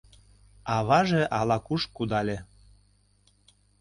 Аваже ала-куш кудале.